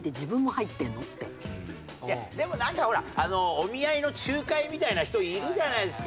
でもなんかほらお見合いの仲介みたいな人いるじゃないですか。